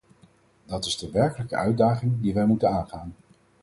Dat is de werkelijke uitdaging die wij moeten aangaan.